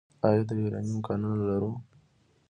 آیا د یورانیم کانونه لرو؟